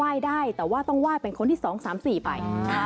ได้แต่ว่าต้องไหว้เป็นคนที่๒๓๔ไป